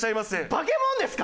化け物ですか？